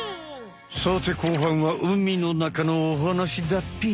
さて後半は海の中のおはなしだっぴ！